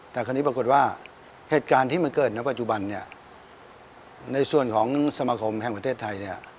แต่คราวนี้ปรากฏว่าเหตุการณ์ที่มันเกิดในปัจจุบันเนี่ยในส่วนของสมาคมแห่งประเทศไทยเนี่ย